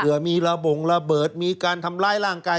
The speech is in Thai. มีระบงระเบิดมีการทำร้ายร่างกาย